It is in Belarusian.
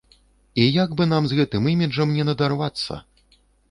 І як бы нам з гэтым іміджам не надарвацца.